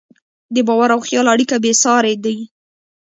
د باور او خیال اړیکه بېساري ده.